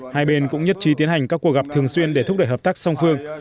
hai bên cũng nhất trí tiến hành các cuộc gặp thường xuyên để thúc đẩy hợp tác song phương